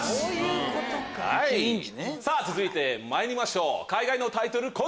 続いてまいりましょう海外のタイトル